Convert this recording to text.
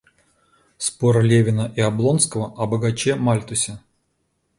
Спор Левина и Облонского о богаче Мальтусе.